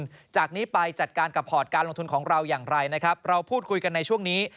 หลังจากนี้ไปจัดการกับพอร์ตการลงทุนของเราอย่างไรนะครับเราพูดคุยกันในช่วงนี้